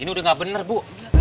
ini udah gak bener bu